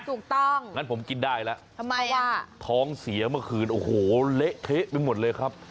ถูกต้องงั้นผมกินได้แล้วทำไมอ่ะท้องเสียเมื่อคืนโอ้โหเละเทะไปหมดเลยครับ